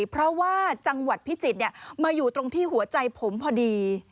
เพราะว่าจังหวัดพิจิตรมาอยู่ตรงที่หัวใจผมพอดี